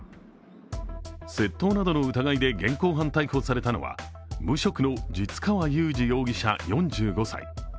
窃盗などの疑いで現行犯逮捕されたのは無職の実川雄二容疑者４５歳。